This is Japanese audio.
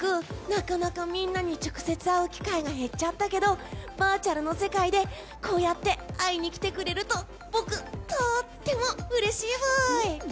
なかなか、みんなに直接会う機会が減っちゃったけどバーチャルの世界で会いに来てくれると僕とっても嬉しいブイ！